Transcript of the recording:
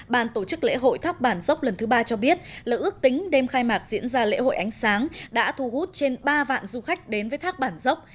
bàn tổ chức lễ hội thác bản dốc lần thứ ba cho biết là ước tính đêm khai mạc diễn ra lễ hội ánh sáng đã thu hút trên ba vạn du khách đến với thác bản dốc